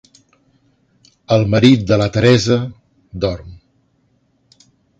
El marit de la Teresa dorm.